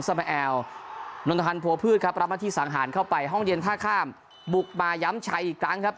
ส่วนโชบุรีนั้นแพ้เป็นนักแรกในซีซั่นนี้ครับ